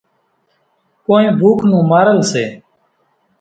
ڪونئين ڀوُک نون مارل سي۔